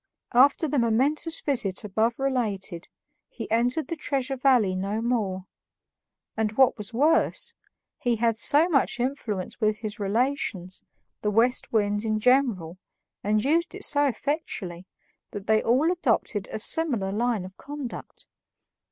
After the momentous visit above related, he entered the Treasure Valley no more; and, what was worse, he had so much influence with his relations, the West Winds in general, and used it so effectually, that they all adopted a similar line of conduct.